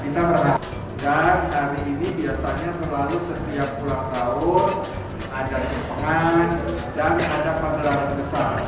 dan hari ini biasanya selalu setiap bulan tahun ada tempangan dan ada perdagangan besar